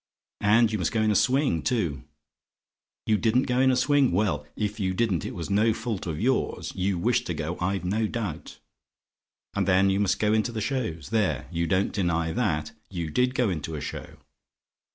And you must go in a swing, too. "YOU DIDN'T GO IN A SWING? "Well, if you didn't it was no fault of yours; you wished to go I've no doubt. "And then you must go into the shows? There, you don't deny that. You did go into a show.